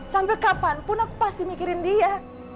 sampai kapanpun aku pasti mikirin dia